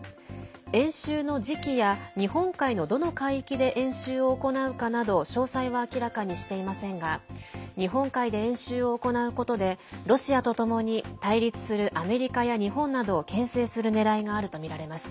演習の時期や、日本海のどの海域で演習を行うかなど詳細は明らかにしていませんが日本海で演習を行うことでロシアとともに対立するアメリカや日本などをけん制するねらいがあるとみられます。